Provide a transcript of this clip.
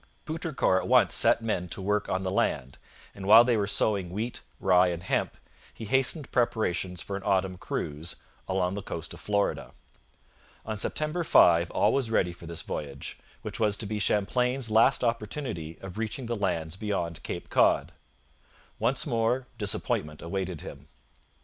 Poutrincourt at once set men to work on the land, and while they were sowing wheat, rye, and hemp he hastened preparations for an autumn cruise 'along the coast of Florida.' On September 5 all was ready for this voyage, which was to be Champlain's last opportunity of reaching the lands beyond Cape Cod. Once more disappointment awaited him.